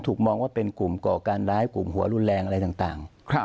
มองว่าเป็นกลุ่มก่อการร้ายกลุ่มหัวรุนแรงอะไรต่าง